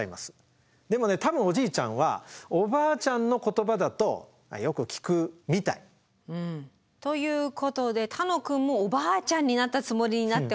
でも多分おじいちゃんはおばあちゃんの言葉だとよく聞くみたい。ということで楽くんもおばあちゃんになったつもりになってほしいんです。